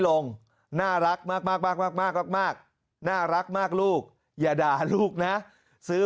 ลงน่ารักมากมากน่ารักมากลูกอย่าด่าลูกนะซื้อ